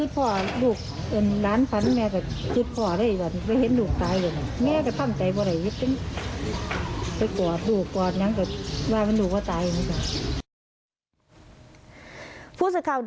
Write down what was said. ฟู้สิทธิ์ข่าวเดินทางนี้ค่ะ